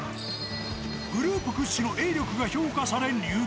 グループ屈指の泳力が評価さ